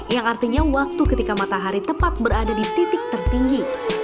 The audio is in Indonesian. yang artinya waktu ketika matahari tepat berada di titik tertinggi